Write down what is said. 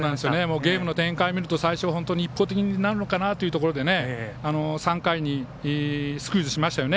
ゲームの感じを見ると最初、一方的になるのかなというところで３回にスクイズしましたよね。